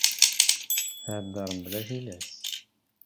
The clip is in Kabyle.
Thedder mebla tilas.